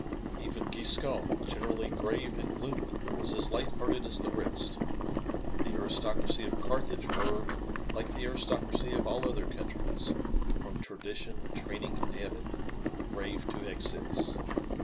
Even Giscon, generally grave and gloomy, was as light hearted as the rest. The aristocracy of Carthage were, like the aristocracy of all other countries, from tradition, training, and habit, brave to excess.